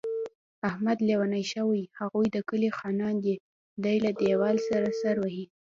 احمد لېونی شوی، هغوی د کلي خانان دي. دی له دېوال سره سر وهي.